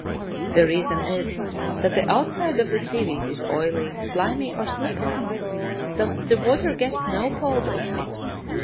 The reason is that the outside of the seaweed is oily, slimy, or slippery, so that the water gets no hold of it.